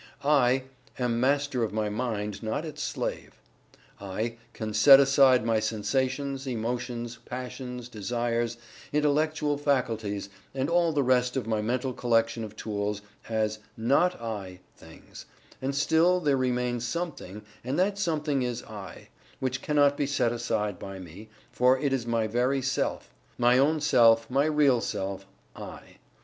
"I" am Master of my mind, not its slave. "I" can set aside my sensations, emotions, passions, desires, intellectual faculties, and all the rest of my mental collection of tools, as "not I" things and still there remains something and that something is "I," which cannot be set aside by me, for it is my very self; my only self; my real self "I."